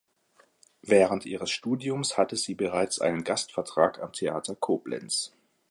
Während ihres Studiums hatte sie bereits einen Gastvertrag am Theater Koblenz.